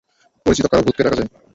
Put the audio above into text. পরিচিত কারো ভূতকে ডাকা যাক।